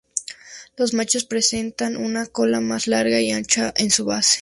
Los machos presentan una cola más larga y ancha en su base.